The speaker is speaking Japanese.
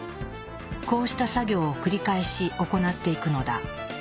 こうした作業を繰り返し行っていくのだ。